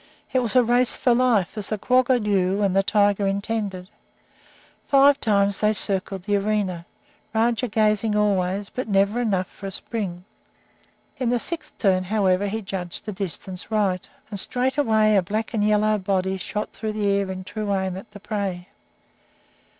It was a race for life, as the quagga knew and the tiger intended. Five times they circled the arena, Rajah gaining always, but never enough for a spring. In the sixth turn, however, he judged the distance right, and straightway a black and yellow body shot through the air in true aim at the prey.